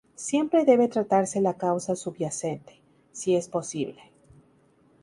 Siempre debe tratarse la causa subyacente, si es posible.